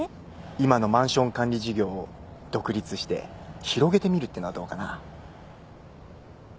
今のマンション管理事業を独立して広げてみるってのはどうかな？